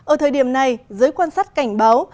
ở thời điểm này dưới quan sát cảnh báo